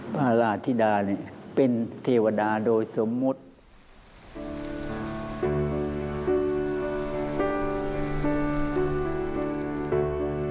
พระราชธิดาเนี่ยเป็นเทวดาโดยสมมุติ